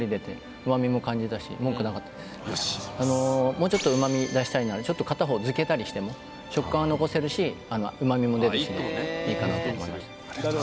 もうちょっと旨味出したいなら片方漬けたりしても食感は残せるし旨味も出るしでいいかなと思いました